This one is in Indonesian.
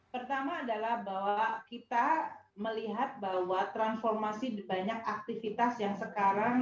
pertama adalah bahwa kita melihat bahwa transformasi banyak aktivitas yang sekarang